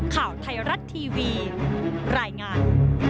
ข่าวไทยรัฐทีวีรายงาน